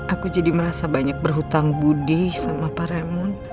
aku jadi merasa banyak berhutang budi sama pak remon